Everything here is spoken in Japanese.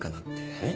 えっ？